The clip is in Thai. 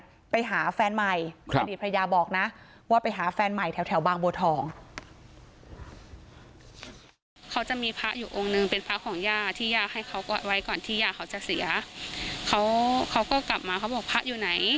ไว้ก่อนที่ยาเขาจะเสียเขาเขาก็กลับมาเขาบอกพระอยู่ไหน